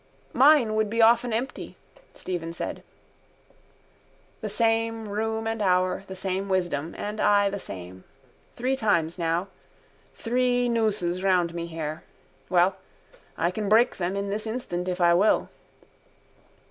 —Mine would be often empty, Stephen said. The same room and hour, the same wisdom: and I the same. Three times now. Three nooses round me here. Well? I can break them in this instant if I will.